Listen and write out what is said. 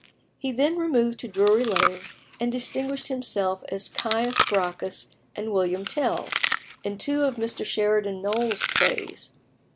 He then removed to Drury Lane, and distinguished himself as Caius Gracchus and William Tell, in two of Mr. Sheridan Knowles's plays.